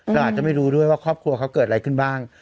เราอาจจะไม่รู้ด้วยว่าครอบครัวเขาเกิดอะไรขึ้นบ้าง